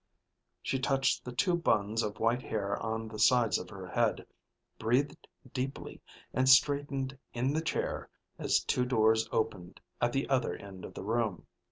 She touched the two buns of white hair on the sides of her head, breathed deeply, and straightened in the chair, as two doors opened at the other end of the room.